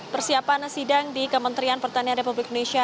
persiapan sidang di kementerian pertanian republik indonesia